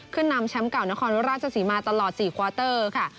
นำแชมป์เก่านครราชศรีมาตลอด๔ควาเตอร์ค่ะ